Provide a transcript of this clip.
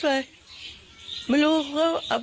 จะได้หรือ